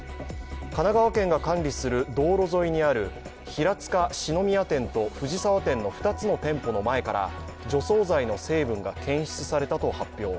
神奈川県が管理する道路沿いにある平塚四之宮店と藤沢店の２つの店舗の前から除草剤の成分が検出されたと発表。